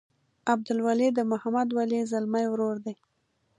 عبدالولي د محمد ولي ځلمي ورور دی.